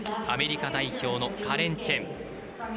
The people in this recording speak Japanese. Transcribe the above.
アメリカ代表のカレン・チェン。